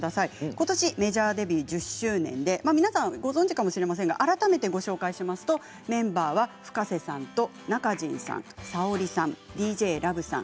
ことしメジャーデビュー１０周年で皆さんご存じかもしれませんが改めてご紹介しますとメンバーはＦｕｋａｓｅさんとＮａｋａｊｉｎさんＳａｏｒｉさんＤＪＬＯＶＥさん。